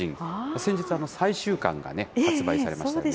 先日、最終巻がね、発売されましたよね。